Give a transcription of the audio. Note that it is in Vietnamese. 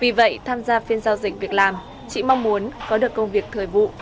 vì vậy tham gia phiên giao dịch việc làm chị mong muốn có được công việc thời vụ